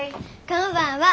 こんばんは。